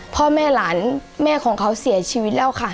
พ่อแม่หลานแม่ของเขาเสียชีวิตแล้วค่ะ